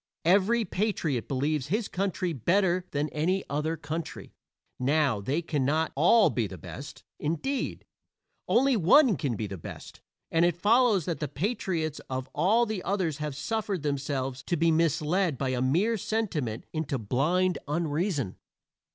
Every patriot believes his country better than any other country. Now, they cannot all be the best; indeed, only one can be the best, and it follows that the patriots of all the others have suffered themselves to be misled by a mere sentiment into blind unreason.